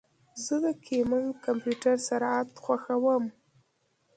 زه د ګیمنګ کمپیوټر سرعت خوښوم.